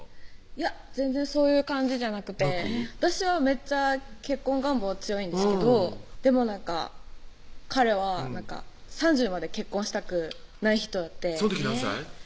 いや全然そういう感じじゃなくて私はめっちゃ結婚願望強いんですけどでもなんか彼は３０まで結婚したくない人やってその時何歳？